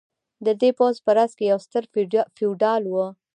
د دې پوځ په راس کې یو ستر فیوډال و.